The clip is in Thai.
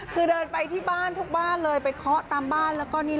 คือเดินไปที่บ้านทุกบ้านเลยไปเคาะตามบ้าน